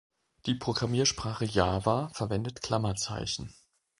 Die Programmiersprache Java verwendet Klammerzeichen.